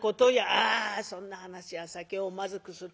「ああそんな話は酒をまずくする。